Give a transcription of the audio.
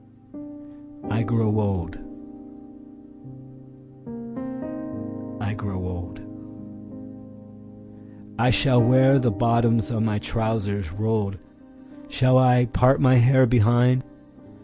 I grow old … I grow old …I shall wear the bottoms of my trousers rolled. Shall I part my hair behind?